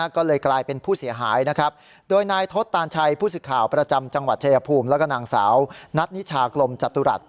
ก็เลยกลายเป็นผู้เสียหายนะครับ